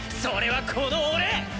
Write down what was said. それはこの俺！